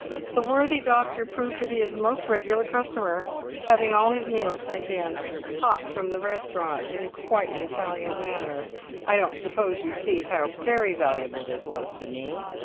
The worthy doctor proved to be his most regular customer, having all his meals sent in hot from the restaurant in quite the Italian manner. I don't suppose you see how very valuable this was to me.